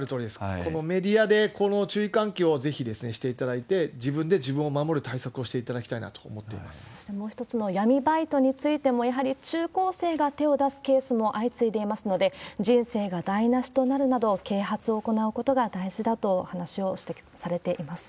このメディアで、この注意喚起をぜひしていただいて、自分で自分を守る対策をしていただきたいなと思そしてもう一つの闇バイトについても、やはり中高生が手を出すケースも相次いでいますので、人生が台なしとなるなど、啓発を行うことが大事だとお話をされています。